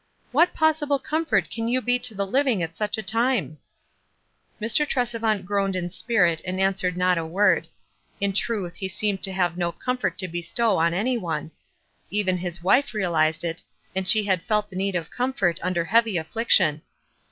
"What possible comfort can you be to the living at such a time?" Mr. Tresevant groaned in spirit and answered not a word. In truth he seemed to have no comfort to bestow on any one. Even his wife realized it, and she had felt the need of comfort under heavy affliction.